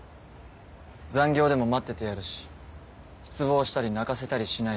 残業でも待っててやるし失望したり泣かせたりしないし。